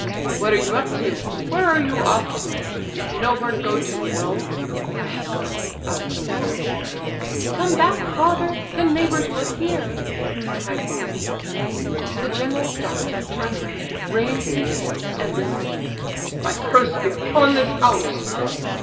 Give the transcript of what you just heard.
"What are you up to? Where are you off to? You've nowhere to go to, you know," cried Gania, out of the window. "Come back, father; the neighbours will hear!" cried Varia. The general stopped, turned round, raised his hands and remarked: "My curse be upon this house!"